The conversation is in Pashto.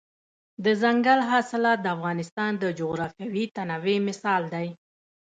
دځنګل حاصلات د افغانستان د جغرافیوي تنوع مثال دی.